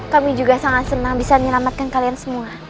kami juga sangat senang bisa menyelamatkan kalian semua